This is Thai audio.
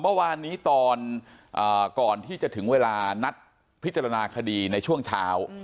เมื่อวานนี้ตอนก่อนที่จะถึงเวลานัดพิจารณาคดีในช่วงเช้า